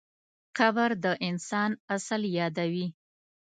قبر د انسان اصل یادوي.